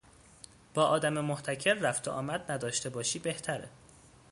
با آدم محتکر رفت و آمد نداشته باشی بهتره